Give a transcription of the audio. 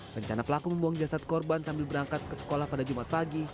rencana pelaku membuang jasad korban sambil berangkat ke sekolah pada jumat pagi